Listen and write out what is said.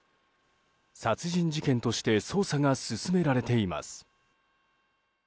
殺人事件として捜査が進められています。